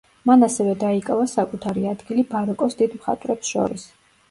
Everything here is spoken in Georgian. მან ასევე დაიკავა საკუთარი ადგილი ბაროკოს დიდ მხატვრებს შორის.